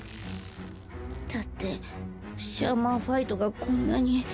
だってシャーマンファイトがこんなに。